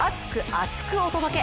厚く！お届け！